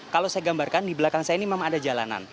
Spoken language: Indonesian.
kalau saya gambarkan di belakang saya ini memang ada jalanan